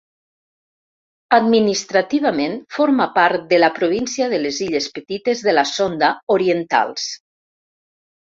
Administrativament, forma part de la província de les Illes Petites de la Sonda orientals.